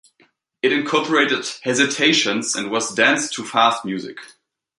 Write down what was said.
It incorporated "hesitations" and was danced to fast music.